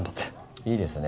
いいですね